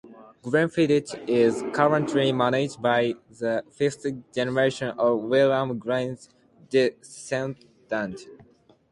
Glenfiddich is currently managed by the fifth generation of William Grant's descendants.